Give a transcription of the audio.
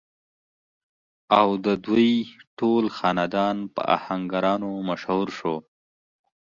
او ددوي ټول خاندان پۀ اهنګرانو مشهور شو ۔